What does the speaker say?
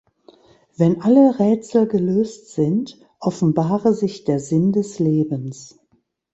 Wenn alle Rätsel gelöst sind, offenbare sich der Sinn des Lebens.